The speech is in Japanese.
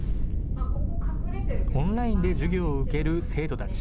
オンラインで授業を受ける生徒たち。